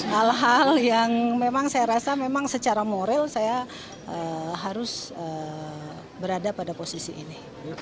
hal hal yang memang saya rasa memang secara moral saya harus berada pada posisi ini